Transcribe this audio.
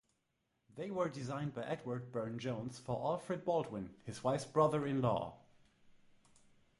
They were designed by Edward Burne-Jones for Alfred Baldwin, his wife's brother-in-law.